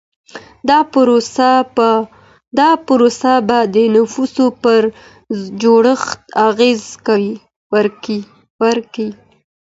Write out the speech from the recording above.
دا پروسه به د نفوسو پر جوړښت اغېزه وکړي.